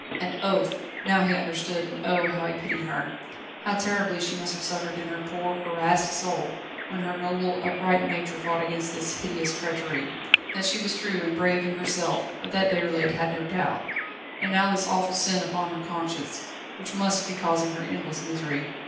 An oath! Now he understood, and oh! how he pitied her. How terribly she must have suffered in her poor, harassed soul when her noble, upright nature fought against this hideous treachery. That she was true and brave in herself, of that Déroulède had no doubt. And now this awful sin upon her conscience, which must be causing her endless misery.